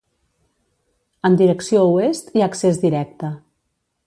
En direcció oest, hi ha accés directe.